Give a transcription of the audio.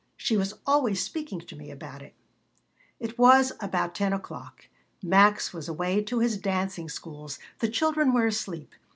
She was always speaking to me about it." It was about 10 o'clock. Max was away to his dancing schools. The children were asleep.